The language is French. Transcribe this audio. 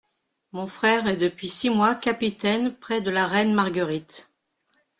Mon frère est depuis six mois capitaine près de la reine Marguerite.